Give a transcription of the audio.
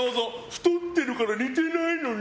太ってるから似てないのに。